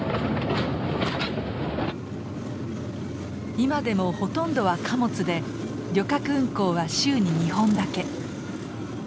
今でもほとんどは貨物で旅客運行は週に２本だけ。